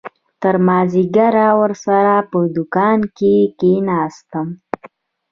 تر مازديگره ورسره په دوکان کښې کښېناستم.